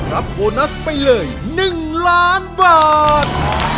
รับโบนัสไปเลย๑ล้านบาท